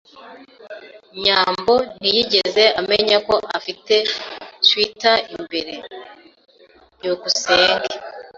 byambo ntiyigeze amenya ko afite swater imbere. byukusenge